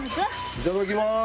いただきます。